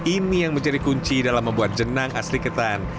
ini yang menjadi kunci dalam membuat jenang asli ketan